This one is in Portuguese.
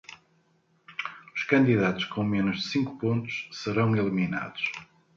Os candidatos com menos de cinco pontos serão eliminados.